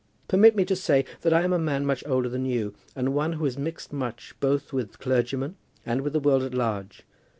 Permit me to say that I am a man much older than you, and one who has mixed much both with clergymen and with the world at large.